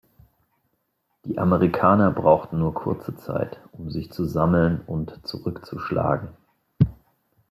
Die Amerikaner brauchten nur kurze Zeit, um sich zu sammeln und zurückzuschlagen.